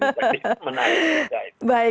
jadi menarik juga itu